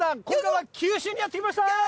今回は九州にやって来ました！